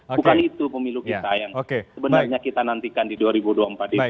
bukan itu pemilu kita yang sebenarnya kita nantikan di dua ribu dua puluh empat ini